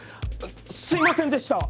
すいませんでした。